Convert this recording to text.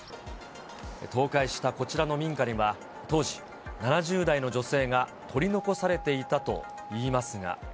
倒壊したこちらの民家には当時、７０代の女性が取り残されていたといいますが。